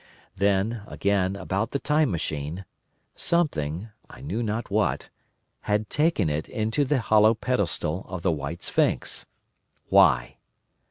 "Then, again, about the Time Machine: something, I knew not what, had taken it into the hollow pedestal of the White Sphinx. _Why?